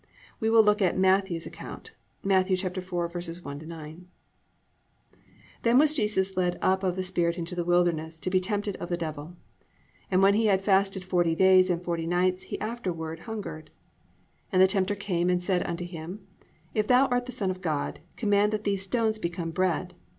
We will look at Matthew's account. Matt. 4:1 9: +"Then was Jesus led up of the Spirit into the wilderness to be tempted of the devil. (2) And when he had fasted forty days and forty nights, he afterward hungered. (3) And the tempter came and said unto him, If thou art the son of God, command that these stones become bread.